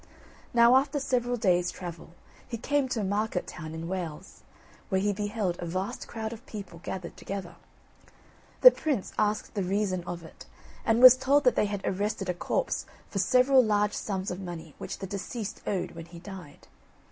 Now, after several days' travel, he came to a market town in Wales, where he beheld a vast crowd of people gathered together. The prince asked the reason of it, and was told that they had arrested a corpse for several large sums of money which the deceased owed when he died.